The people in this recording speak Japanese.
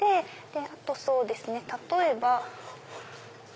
あとそうですね例えば。